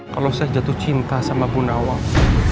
kalau saya jatuh cinta sama punawang